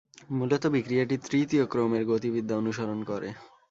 মূলত বিক্রিয়াটি তৃতীয় ক্রমের গতিবিদ্যা অনুসরণ করে।